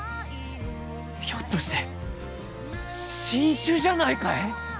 ひょっとして新種じゃないかえ